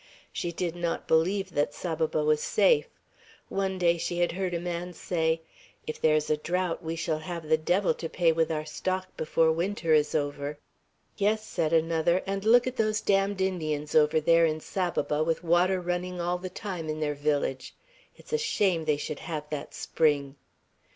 She did not believe that Saboba was safe. One day she had heard a man say, "If there is a drought we shall have the devil to pay with our stock before winter is over." "Yes," said another; "and look at those damned Indians over there in Saboba, with water running all the time in their village! It's a shame they should have that spring!"